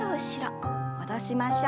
戻しましょう。